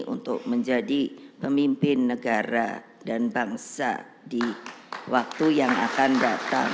untuk menjadi pemimpin negara dan bangsa di waktu yang akan datang